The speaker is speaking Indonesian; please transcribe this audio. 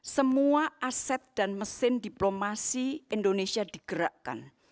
semua aset dan mesin diplomasi indonesia digerakkan